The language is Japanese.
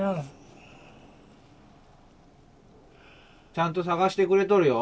ちゃんと探してくれとるよ。